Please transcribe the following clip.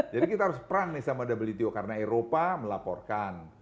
jadi kita harus perang nih sama wto karena eropa melaporkan